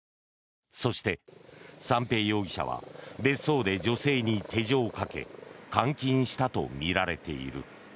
そして、三瓶容疑者は別荘で女性に手錠をかけ監禁したとみられている。